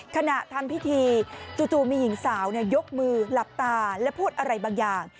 ขณะทำพิธีจู่มีหญิงสาวยกมือหลับตาและพูดอะไรบางอย่าง